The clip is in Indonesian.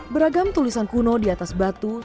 beragam tulisan kuno di atas batu